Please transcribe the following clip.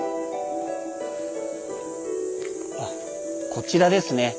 あこちらですね。